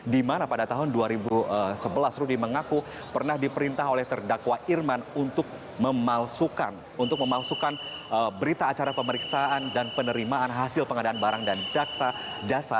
di mana pada tahun dua ribu sebelas rudy mengaku pernah diperintah oleh terdakwa irman untuk memalsukan berita acara pemeriksaan dan penerimaan hasil pengadaan barang dan jasa jasa